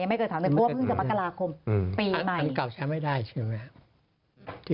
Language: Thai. อันนี้กลัวใช้ไม่ได้ใช่ไหมครับ